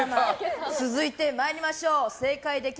続いて参りましょう。